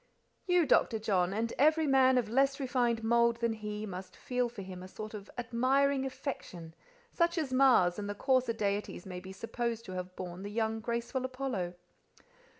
"You, Dr. John, and every man of a less refined mould than he, must feel for him a sort of admiring affection, such as Mars and the coarser deities may be supposed to have borne the young, graceful Apollo."